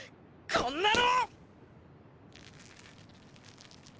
こんなの！